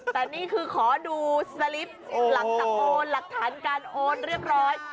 แต่นี่คือขอดูสลิปหลังจากโอนหลักฐานการโอนเรียบร้อย